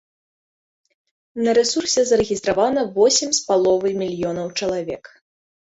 На рэсурсе зарэгістравана восем з паловай мільёнаў чалавек.